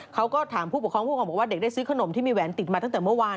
เขาก็ถามผู้ปกครองผู้ปกครองบอกว่าเด็กได้ซื้อขนมที่มีแหวนติดมาตั้งแต่เมื่อวาน